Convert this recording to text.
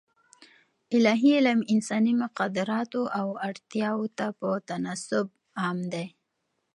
الاهي علم انساني مقدراتو او اړتیاوو ته په تناسب عام دی.